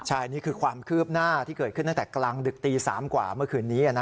ใช่นี่คือความคืบหน้าที่เกิดขึ้นตั้งแต่กลางดึกตี๓กว่าเมื่อคืนนี้